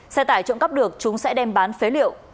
xe tải trộm cắp được chúng sẽ đem bán phế liệu